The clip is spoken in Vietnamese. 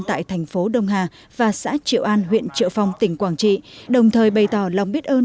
tại thành phố đông hà và xã triệu an huyện triệu phong tỉnh quảng trị đồng thời bày tỏ lòng biết ơn